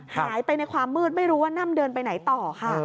หายไปในความมืดไม่รู้ว่าน่ำเดินไปไหนต่อค่ะ